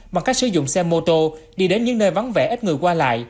bằng cách sử dụng xe mô tô đi đến những nơi vắng vẻ ít người qua lại